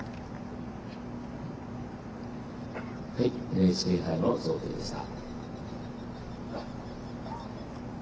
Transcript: ＮＨＫ杯の贈呈でした。